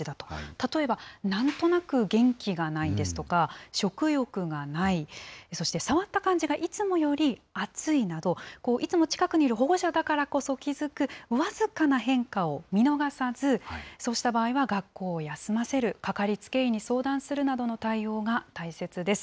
例えばなんとなく元気がないですとか、食欲がない、そして触った感じがいつもより熱いなど、いつも近くにいる保護者だからこそ気付く僅かな変化を見逃さず、そうした場合は学校を休ませる、かかりつけ医に相談するなどの対応が大切です。